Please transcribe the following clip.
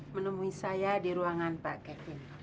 menemui saya di ruangan pak kevin